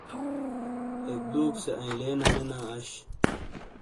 ایک دُوک سے ایئنلے نامےنا اش۔